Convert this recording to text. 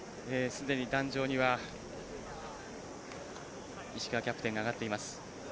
すでに壇上には石川キャプテンが上がっています。